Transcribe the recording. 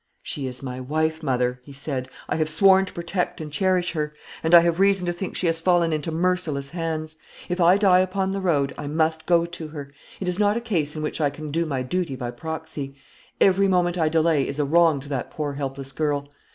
"She is my wife, mother," he said; "I have sworn to protect and cherish her; and I have reason to think she has fallen into merciless hands. If I die upon the road, I must go to her. It is not a case in which I can do my duty by proxy. Every moment I delay is a wrong to that poor helpless girl.